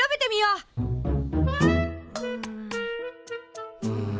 うん。